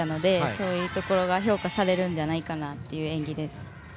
そういうところが評価されるんじゃないかなという演技です。